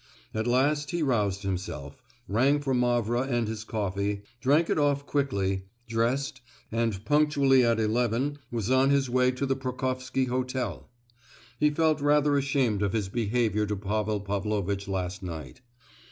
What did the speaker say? At last he roused himself, rang for Mavra and his coffee, drank it off quickly—dressed—and punctually at eleven was on his way to the Pokrofsky Hotel: he felt rather ashamed of his behaviour to Pavel Pavlovitch last night.